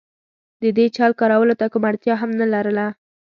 د دې چل کارولو ته کومه اړتیا هم نه لرله.